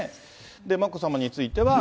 眞子さまについては。